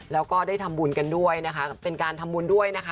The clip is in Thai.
แล้วก็ได้ทำบุญกันด้วยนะคะเป็นการทำบุญด้วยนะคะ